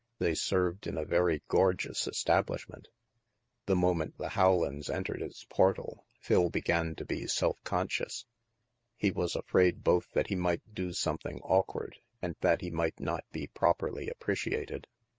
They served in a very gorgeous establishment. The moment the Howlands entered its portal, Phil began to be self conscious. He was afraid both that he might do something awkward, and that he might not be properly appreciated.